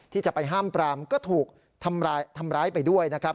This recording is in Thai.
ที่จะไปห้ามปรามก็ถูกทำร้ายไปด้วยนะครับ